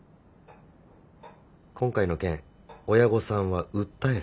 今回の件親御さんは訴える。